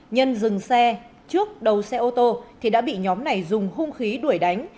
nhân dừng xe trước đầu xe ô tô thì đã bị nhóm này dùng hung khí đuổi đánh